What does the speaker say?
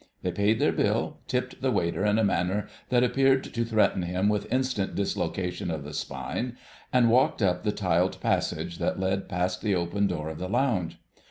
'" They paid their bill, tipped the waiter in a manner that appeared to threaten him with instant dislocation of the spine, and walked up the tiled passage that led past the open door of the lounge.